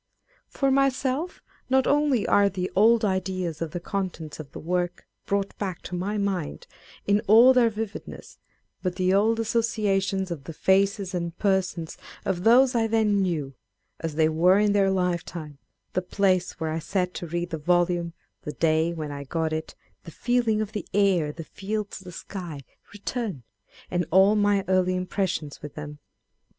For myself, not only are the old ideas of the contents of the work brought back to my mind in all their vividness, but the old associations of the faces and persons of those I then knew, as they were in their lifetime â€" the place where I sat to read the volume, the day when I got it, the feeling of the air, the fields, the sky â€" return, and all my early impressions with them.